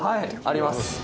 あります。